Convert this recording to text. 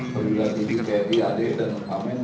perubahan tv kayak di adik dan kamen